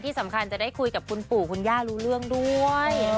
จะได้คุยกับคุณปู่คุณย่ารู้เรื่องด้วย